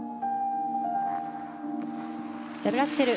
ダブルアクセル。